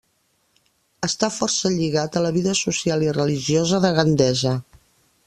Està força lligat a la vida social i religiosa de Gandesa.